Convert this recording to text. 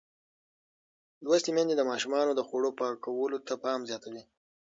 لوستې میندې د ماشومانو د خوړو پاکولو ته پام زیاتوي.